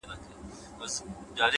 چي زما په لورې بيا د دې نجلۍ قدم راغی”